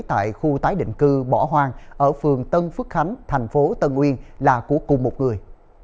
tại khu tái định cư bỏ hoang ở phường tân phước khánh thành phố tân uyên là của cùng một người